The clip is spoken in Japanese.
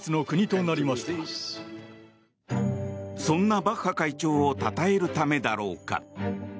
そんなバッハ会長をたたえるためだろうか。